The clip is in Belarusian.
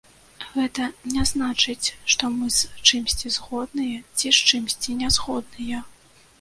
Гэта не значыць, што мы з чымсьці згодныя ці з чымсьці нязгодныя.